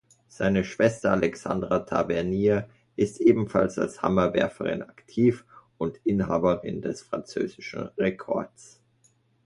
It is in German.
Seine Schwester Alexandra Tavernier ist ebenfalls als Hammerwerferin aktiv und Inhaberin des französischen Rekords.